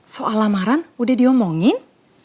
soal lamaran udah diomongin